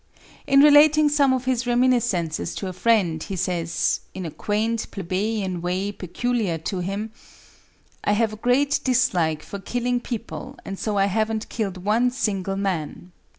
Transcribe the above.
In relating some of his reminiscences to a friend he says, in a quaint, plebeian way peculiar to him:—"I have a great dislike for killing people and so I haven't killed one single man.